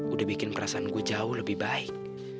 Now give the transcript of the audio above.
udah bikin perasaan gue jauh lebih baik